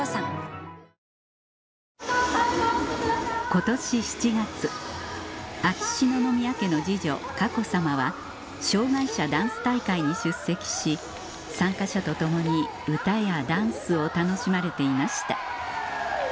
今年７月秋篠宮家の次女佳子さまは障がい者ダンス大会に出席し参加者と共に歌やダンスを楽しまれていました